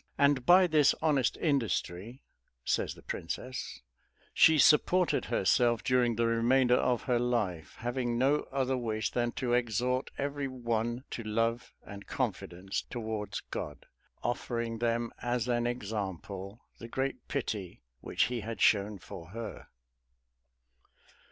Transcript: "And by this honest industry," says the princess, "she supported herself during the remainder of her life, having no other wish than to exhort every one to love and confidence towards God, offering them as an example, the great pity which he had shown for her."